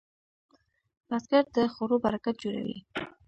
بزګر د خوړو برکت جوړوي